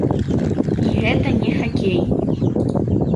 І гэта не хакей.